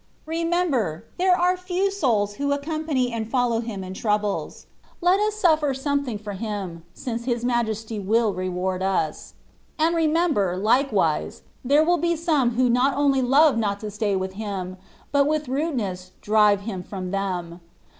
Re member, there are few souls who accompany and follow Him in troubles : let us sufifer something for Him, since His Majesty will reward us. And remember, likewise, there will be some who not only love not to stay with Him, but with rudeness drive Him from them.